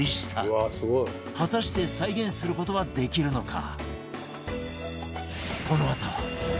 果たして再現する事はできるのか？